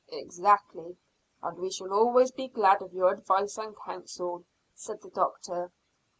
"Exactly, and we shall always be glad of your advice and counsel," said the doctor.